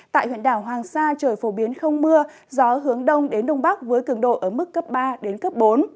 tại huyện đảo hoàng sa trời phổ biến không mưa gió hướng đông đến đông bắc với cường độ ở mức cấp ba đến cấp bốn